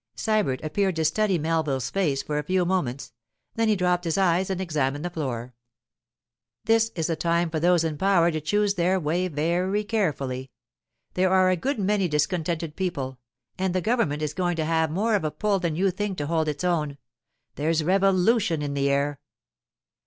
Sybert appeared to study Melville's face for a few moments; then he dropped his eyes and examined the floor. 'This is a time for those in power to choose their way very carefully. There are a good many discontented people, and the government is going to have more of a pull than you think to hold its own—there's revolution in the air.